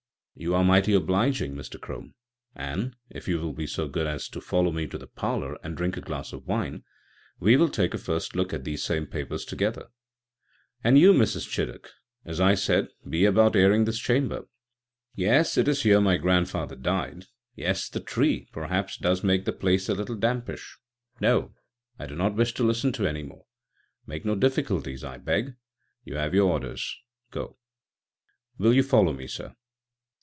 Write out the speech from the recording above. "You are mighty obliging, Mr. Crome, and, if you will be so good as to follow me to the parlour, and drink a glass of wine, we will take a first look at these same papers together. And you, Mrs. Chiddock, as I said, be about airing this chamber ..... Yes, it is here my grandfather died. ... Yes, the tree, perhaps, does make the place a little dampish. ... No; I do not wish to listen to any more. Make no difficulties, I beg. You have your orders â€" go. Will you follow me, sir?"